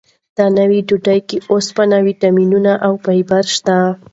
دا نوې ډوډۍ کې اوسپنه، ویټامینونه او فایبر شته.